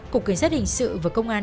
cục kiến sát hình sự và công an